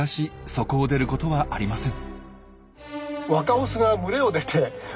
そこを出ることはありません。